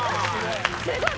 すごい！